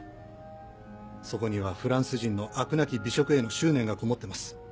そこにはフランス人の飽くなき美食への執念がこもってます。